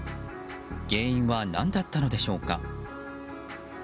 原因は何だったのでしょうか。